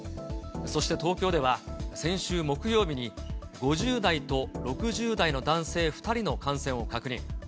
そして東京では、先週木曜日に５０代と６０代の男性２人の感染を確認。